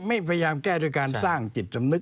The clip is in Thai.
พยายามแก้ด้วยการสร้างจิตสำนึก